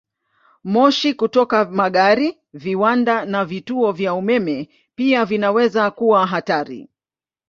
Moshi kutoka magari, viwanda, na vituo vya umeme pia vinaweza kuwa hatari.